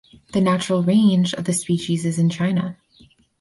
The natural range of the species is in China.